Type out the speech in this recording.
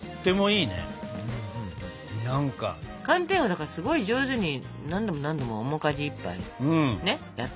寒天はだからすごい上手に何度も何度も面かじいっぱいねやってたから。